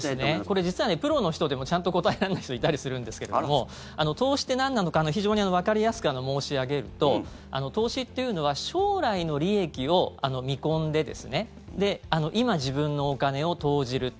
これ、実はプロの人でもちゃんと答えられない人いたりするんですけども投資ってなんなのか非常にわかりやすく申し上げると投資っていうのは将来の利益を見込んで今、自分のお金を投じる。